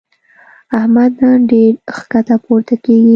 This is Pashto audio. احمد نن ډېر ښکته پورته کېږي.